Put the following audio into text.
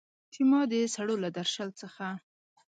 چې ما د سړو له درشل څخه